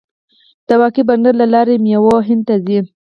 د واګې بندر له لارې میوې هند ته ځي.